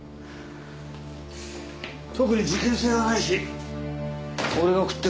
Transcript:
特に事件性はないし俺が送っていくよ。